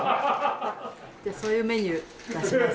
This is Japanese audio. そういうメニュー出します。